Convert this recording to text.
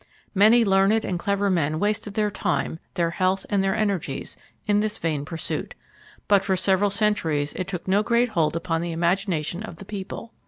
Many learned and clever men wasted their time, their health, and their energies, in this vain pursuit; but for several centuries it took no great hold upon the imagination of the people.